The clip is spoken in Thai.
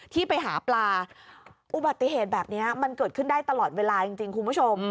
ที่ไปหาปลาอุบัติเหตุแบบนี้มันเกิดขึ้นได้ตลอดเวลาจริงคุณผู้ชม